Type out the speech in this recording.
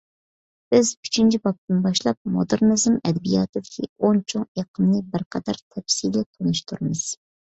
بىز ئۈچىنچى بابتىن باشلاپ مودېرنىزم ئەدەبىياتىدىكى ئون چوڭ ئېقىمنى بىرقەدەر تەپسىلىي تونۇشتۇرىمىز.